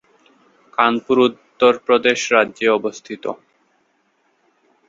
কানপুর উত্তর প্রদেশ রাজ্যে অবস্থিত।